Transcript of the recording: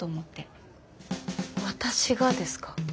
私がですか？